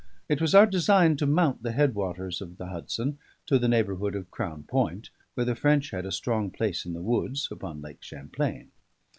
It was our design to mount the headwaters of the Hudson, to the neighbourhood of Crown Point, where the French had a strong place in the woods, upon Lake Champlain.